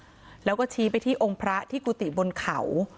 แล้วก็ไม่ยอมขึ้นมาเองค่ะแล้วก็ชี้ไปที่องค์พระที่กุติบนเขา